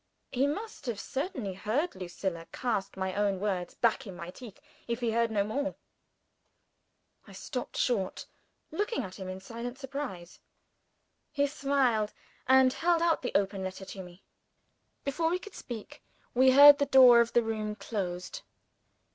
He must have certainly heard Lucilla cast my own words back in my teeth if he had heard no more. I stopped short; looking at him in silent surprise. He smiled, and held out the open letter to me. Before we could speak, we heard the door of the room closed.